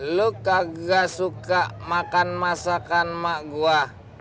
lu kagak suka makan masakan emak gua